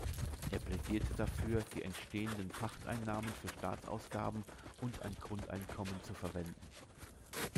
Er plädierte dafür, die entstehenden Pachteinnahmen für Staatsausgaben und ein Grundeinkommen zu verwenden.